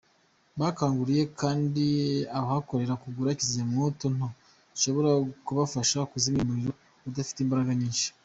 Bakanguriye kandi abahakorera kugura kizimyamwoto nto zishobora kubafasha kuzimya umuriro udafite imbaraga nyinshi.